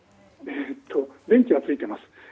電気はついています。